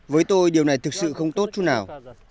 với tôi điều này thực sự không tốt chút nào